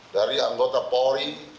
dari anggota pori